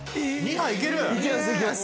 ２杯いける⁉